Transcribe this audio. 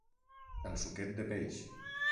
«El Suquet de Peix».